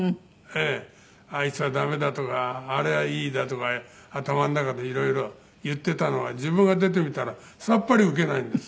あいつは駄目だとかあれはいいだとか頭の中で色々言っていたのが自分が出てみたらさっぱりウケないんです。